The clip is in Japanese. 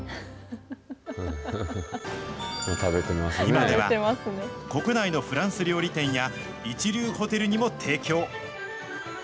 今では、国内のフランス料理店や一流ホテルにも提供。